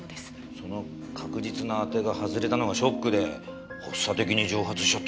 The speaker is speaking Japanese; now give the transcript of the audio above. その確実な当てが外れたのがショックで発作的に蒸発しちゃったのかな？